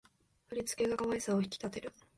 振り付けが可愛さを引き立てる